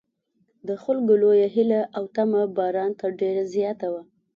د خلکو لویه هیله او تمه باران ته ډېره زیاته وه.